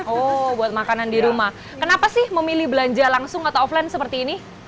oh buat makanan di rumah kenapa sih memilih belanja langsung atau offline seperti ini